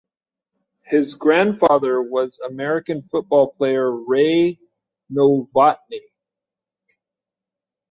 His grandfather was American football player Ray Novotny.